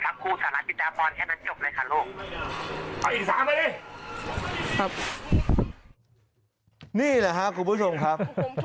นี่แหละครับคุณผู้ชมครับ